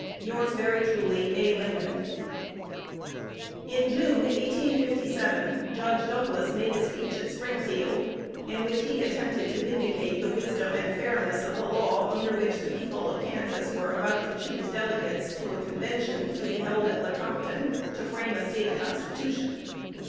Yours very truly, A. Lincoln. In June, 1857, Judge Douglas made a speech at Springfield, in which he attempted to vindicate the wisdom and fairness of the law under which the people of Kansas were about to choose delegates to a convention to be held at Lecompton to frame a State constitution.